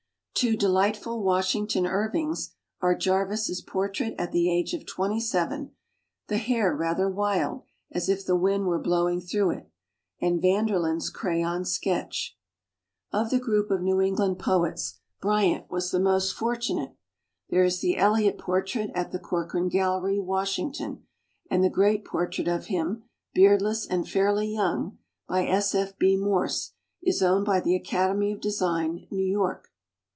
Two delightful Wash ington Irvings are Jarvis's portrait at the age of twenty seven, the hair rather wild as if the wind were blow ing through it, and Vanderlyn's crayon sketch. Of the group of New England poets, Bryant was the most fortunate. There is the Elliott portrait at the Corcoran Gallery, Washington, and the great portrait of him, beardless and fairly young, by S. F. B. Morse is owned by the Academy of Design, New York.